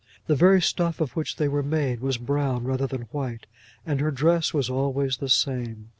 The very stuff of which they were made was brown, rather than white, and her dress was always the same.